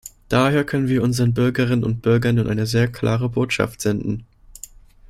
Daher können wir unseren Bürgerinnen und Bürgern nun eine sehr klare Botschaft senden.